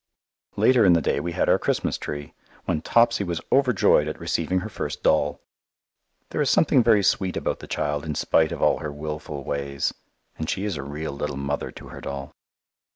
Later in the day we had our Christmas tree, when Topsy was overjoyed at receiving her first doll. There is something very sweet about the child in spite of all her wilful ways, and she is a real little mother to her doll.